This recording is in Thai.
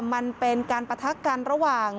มันเป็นการปะทะกันระหว่าง